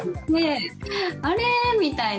あれ？みたいな。